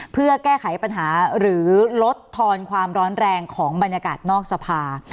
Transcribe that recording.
เพื่อแก้ไขปัญหาหรือลดทอนความร้อนแรงของบรรยากาศนอกสภา